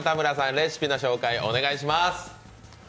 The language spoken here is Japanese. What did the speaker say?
レシピの紹介をお願いします。